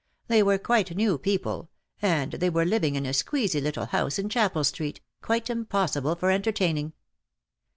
They were quite new people, and they were living in a squeezy little house in Chapel Street, quite impossible for enter taining."